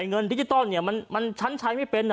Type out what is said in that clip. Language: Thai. ไอ้เงินดิจิทัลเนี่ยมันมันชั้นใช้ไม่เป็นอ่ะ